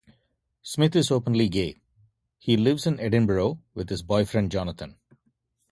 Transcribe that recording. Smith is openly gay - he lives in Edinburgh with his boyfriend Jonathon.